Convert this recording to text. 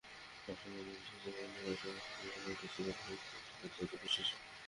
নাট্যকেন্দ্র বিশ্বাসযোগ্য অভিনয়ে এবং আমার বিভাগ দেশীয় বাংলা থিয়েটারের চর্চায় বিশ্বাসী।